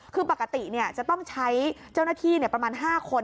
คือปกติจะต้องใช้เจ้าหน้าที่ประมาณ๕คน